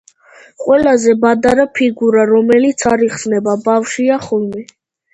ყველაზე პატარა ფიგურა, რომელიც არ იხსნება, ბავშვია ხოლმე.